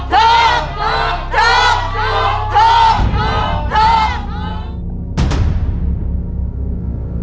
ถูกถูกถูกถูก